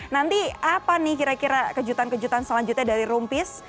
nanti apa nih kira kira kejutan kejutan selanjutnya dari roompeace